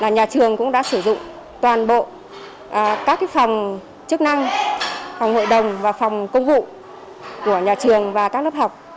nhà trường cũng đã sử dụng toàn bộ các phòng chức năng phòng hội đồng và phòng công vụ của nhà trường và các lớp học